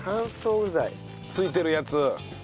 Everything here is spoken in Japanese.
付いてるやつ。